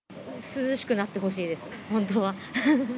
涼しくなってほしいです、本当は。